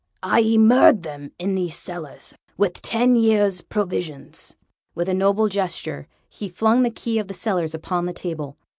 "I immured them in these cellars, with ten years' provisions." With a noble gesture, he flung the key of the cellars upon the table.